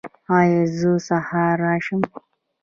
ایا زه سهار راشم؟